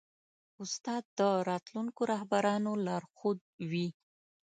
استاد د راتلونکو رهبرانو لارښود وي.